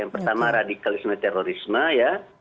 yang pertama radikalisme terorisme ya